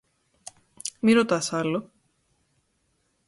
Μη ρωτάς άλλο.